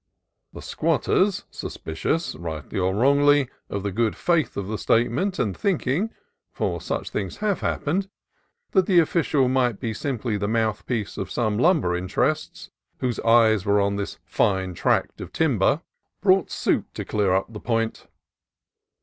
The squatters, suspicious, rightly or wrongly, of the good faith of the statement, and thinking (for such things have happened) that the official might be simply the mouthpiece of some lumber "interests" whose eyes were on this fine tract of timber, brought suit 272 CALIFORNIA COAST TRAILS to clear up the point.